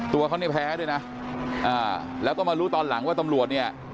ตัวเขาเนี่ยแพ้ด้วยนะแล้วก็มารู้ตอนหลังว่าตำรวจเนี่ย